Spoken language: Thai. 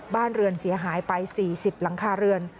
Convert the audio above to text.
บ้านเรือนเสียหายไป๔๐หลังคาเรือน